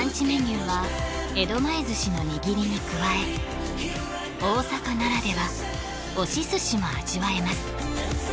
メニューは江戸前寿司の握りに加え大阪ならでは圧しすしも味わえます